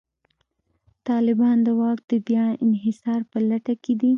طالبان د واک د بیا انحصار په لټه کې دي.